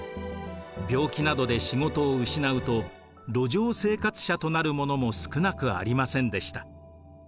病気などで仕事を失うと路上生活者となる者も少なくありませんでした。